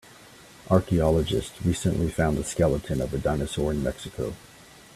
Archaeologists recently found the skeleton of a dinosaur in Mexico.